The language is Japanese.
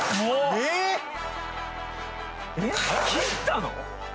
えっ斬ったの！？